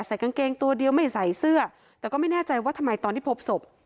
กางเกงตัวเดียวไม่ใส่เสื้อแต่ก็ไม่แน่ใจว่าทำไมตอนที่พบศพ